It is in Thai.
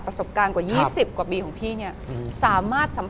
พูดว่าตอนที่พี่ฟังก็น่าจะยังไง